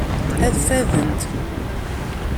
Ad ffadent.